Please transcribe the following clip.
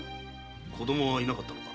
子供はいなかったのか？